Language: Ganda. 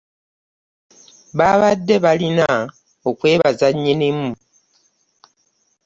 Babadde balina okwebaza nnyinimu